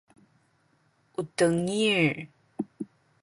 u tengil